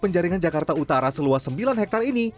penjaringan jakarta utara seluas sembilan hektare ini